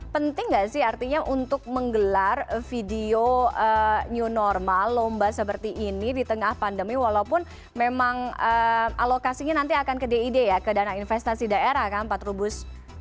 penting gak sih artinya untuk menggelar video new normal lomba seperti ini di tengah pandemi walaupun memang alokasinya nanti akan ke did ya ke dana investasi daerah kan pak trubus